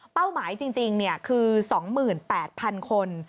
หมายจริงคือ๒๘๐๐๐คน